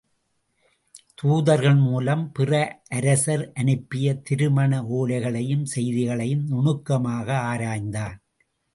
தூதர்கள் மூலம் பிற அரசர் அனுப்பிய திருமண ஓலைகளையும் செய்திகளையும் நுணுக்கமாக ஆராய்ந்தான்.